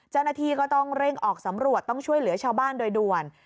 เจ้าหน้าที่ก็ต้องเร่งออกสำรวจต้องช่วยเหลือชาวบ้านโดยด่วน